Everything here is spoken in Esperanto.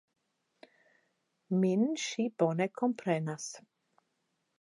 Min ŝi bone komprenas.